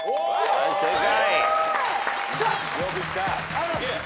はい正解。